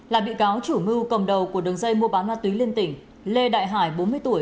là bị cáo chủ mưu cầm đầu của đường dây mua bán ma túy liên tỉnh lê đại hải bốn mươi tuổi